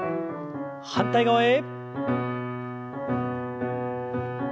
反対側へ。